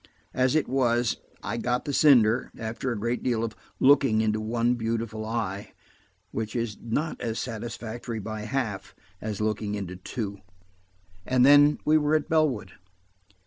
As it was, I got the cinder, after a great deal of looking into one beautiful eye–which is not as satisfactory by half as looking into two–and then we were at Bellwood.